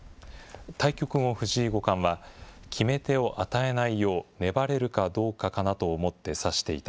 対局後、藤井五冠は、決め手を与えないよう粘れるかどうかかなと思って指していた。